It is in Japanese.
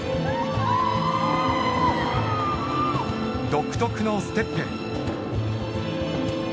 独特のステップ